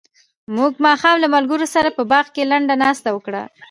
موږ ماښام له ملګرو سره په باغ کې لنډه ناسته وکړه.